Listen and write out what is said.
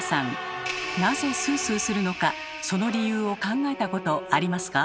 なぜスースーするのかその理由を考えたことありますか？